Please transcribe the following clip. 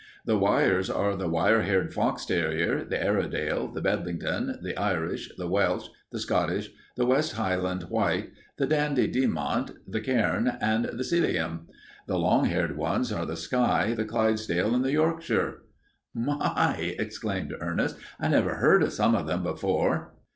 The wires are the wire haired fox terrier, the Airedale, the Bedlington, the Irish, the Welsh, the Scottish, the West Highland white, the Dandie Dinmont, the cairn, and the Sealyham. The long haired ones are the Skye, the Clydesdale, and the Yorkshire." "My!" exclaimed Ernest. "I never heard of some of them before."